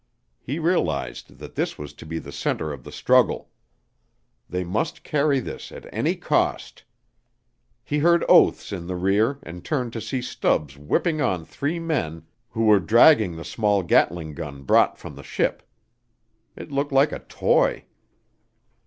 He realized that this was to be the centre of the struggle. They must carry this at any cost. He heard oaths in the rear and turned to see Stubbs whipping on three men who were dragging the small Gatling gun brought from the ship. It looked like a toy.